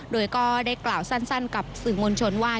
โดยก็ได้กล่าวสั้นกับสื่อมวลชนว่า